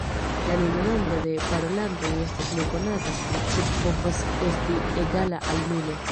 La nuna nombro da parolantoj estas nekonata sed povas esti egala al nulo.